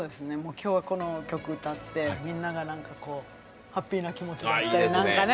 きょうは、この曲を歌ってみんながハッピーな気持ちになんかね。